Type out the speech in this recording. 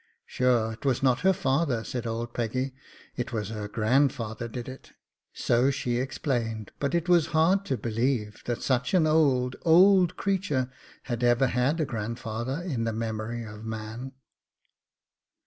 'Sure it was not her father,' said old Peggy,' it was her grandfather did it!' So she explained, but it was hard to believe that such an old, old creature had ever had a grandfather in the memory of man.